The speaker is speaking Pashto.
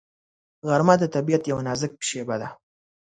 غرمه د طبیعت یو نازک شېبه ده